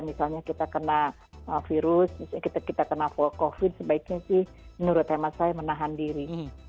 misalnya kita kena virus misalnya kita kena covid sebaiknya sih menurut hemat saya menahan diri